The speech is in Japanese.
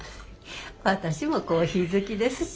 私もコーヒー好きですし。